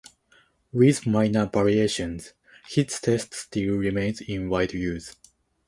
With minor variations, his test still remains in wide use.